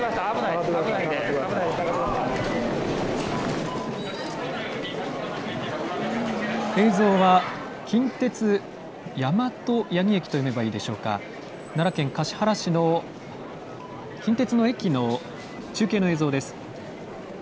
映像は、近鉄大和八木駅と読めばいいでしょうか、奈良県橿原市の近鉄の駅の中継の映像です。